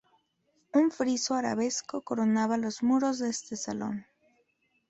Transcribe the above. Un friso arabesco coronaba los muros de este salón.